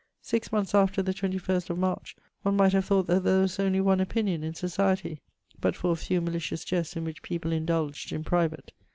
Six months after the 21st of March, one might have thought that there was only one opinion in society, but for a few malicious jests in which people indulged in private.